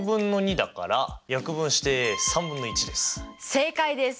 正解です。